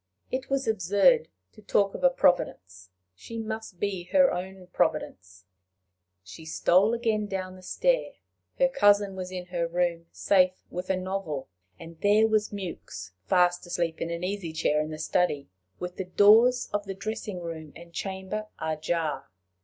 It was absurd to talk of a Providence! She must be her own providence! She stole again down the stair. Her cousin was in her own room safe with a novel, and there was Mewks fast asleep in an easy chair in the study, with the doors of the dressing room and chamber ajar!